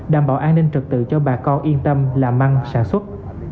đảm bảo an ninh trực tự cho bà con yên tâm làm ăn sản xuất